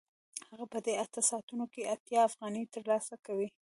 هغه په دې اته ساعتونو کې اتیا افغانۍ ترلاسه کوي